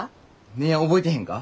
姉やん覚えてへんか？